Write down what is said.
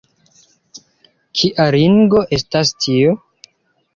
kia ringo estas tio?